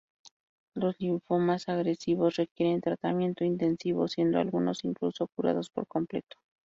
Los linfomas agresivos requieren tratamiento intensivo, siendo algunos incluso curados por completo.